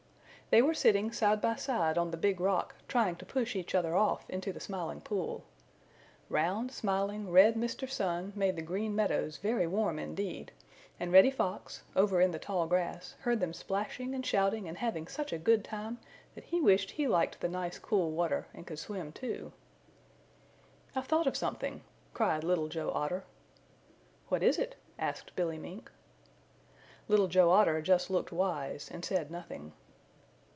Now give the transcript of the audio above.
They were sitting side by side on the Big Rock trying to push each other off into the Smiling Pool. Round, smiling red Mr. Sun made the Green Meadows very warm indeed, and Reddy Fox, over in the tall grass, heard them splashing and shouting and having such a good time that he wished he liked the nice cool water and could swim, too. "I've thought of something!" cried Little Joe Otter. "What is it?" asked Billy Mink. Little Joe Otter just looked wise and said nothing.